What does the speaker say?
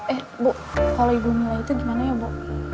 eh bu kalau ibu mila itu gimana ya bu